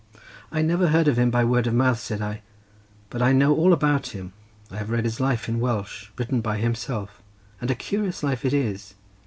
"I never heard of him by word of mouth," said I; "but I know all about him—I have read his life in Welsh, written by himself, and a curious life it is.